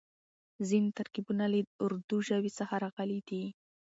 ځينې ترکيبونه له اردو ژبې څخه راغلي دي.